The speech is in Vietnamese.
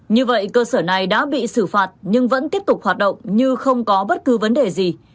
như vậy cơ sở này đã bị xử phạt nhưng vẫn tiếp tục hoạt động như không có bất cứ vấn đề gì